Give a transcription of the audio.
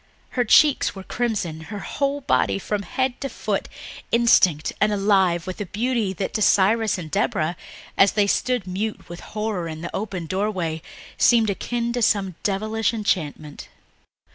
Her cheeks were crimson, her whole body from head to foot instinct and alive with a beauty that to Cyrus and Deborah, as they stood mute with horror in the open doorway, seemed akin to some devilish enchantment.